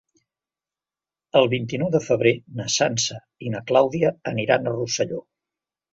El vint-i-nou de febrer na Sança i na Clàudia aniran a Rosselló.